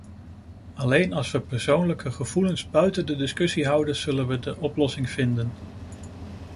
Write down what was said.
Alleen als we persoonlijke gevoelens buiten de discussie houden, zullen we de oplossing vinden.